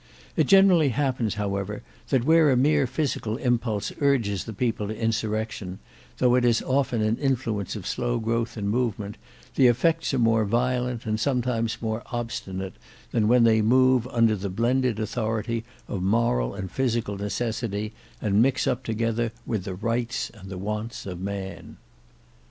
It generally happens however that where a mere physical impulse urges the people to insurrection, though it is often an influence of slow growth and movement, the effects are more violent and sometimes more obstinate than when they move under the blended authority of moral and physical necessity, and mix up together the rights and the wants of Man.